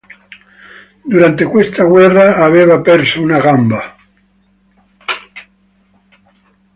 Durante questa guerra aveva perso una gamba.